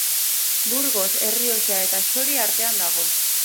Burgos, Errioxa eta Soria artean dago.